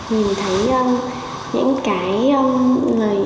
nhìn thấy những cái